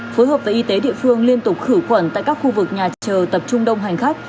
phối hợp với y tế địa phương liên tục khử khuẩn tại các khu vực nhà chờ tập trung đông hành khách